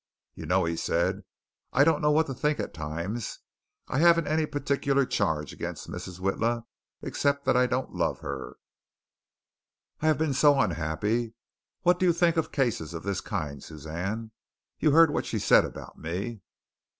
"You know," he said, "I don't know what to think at times. I haven't any particular charge against Mrs. Witla except that I don't love her. I have been so unhappy. What do you think of cases of this kind, Suzanne? You heard what she said about me."